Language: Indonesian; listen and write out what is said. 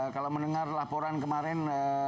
kalau mendengar laporan kemarin